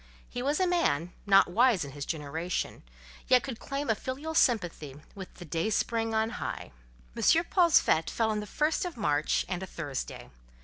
He was a man, not wise in his generation, yet could he claim a filial sympathy with "the dayspring on high." M. Paul's fête fell on the first of March and a Thursday.